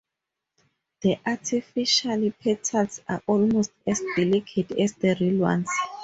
The artificial petals are almost as delicate as the real ones.